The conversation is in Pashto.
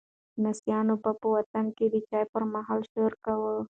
لمسیانو به په وطن کې د چایو پر مهال شور کاوه.